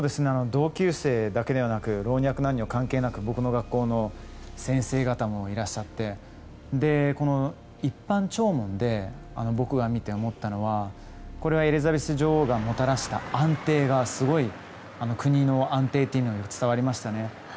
同級生だけではなく老若男女関係なく僕の学校の先生方もいらっしゃって一般弔問で僕が見て思ったのはエリザベス女王がもたらした安定がすごい国の安定というのが伝わりましたね。